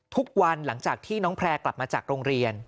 ทุกวันหลังจากที่น้องแพร่กลับมาจากโรงเรียน